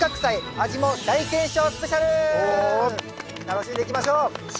楽しんでいきましょう。